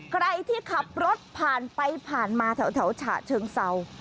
ใครที่ขับรถผ่านไปผ่านมาแถวฉะเชิงเศร้า